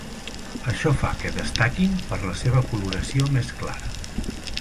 Això fa que destaquin per la seva coloració més clara.